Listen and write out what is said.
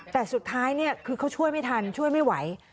แต่สุดท้ายเนี่ยคือเขาช่วยไม่ทันช่วยไม่ไหว